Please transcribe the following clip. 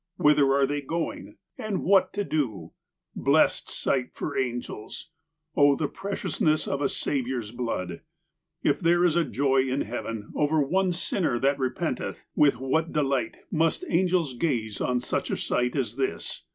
Whither are they going ? And what to do ? Blessed sight for angels ! Oh, the preciousness of a Saviour's blood ! If there is a joy in heaven over one sinner that repenteth, with what delight must angels gaze on such a sight as this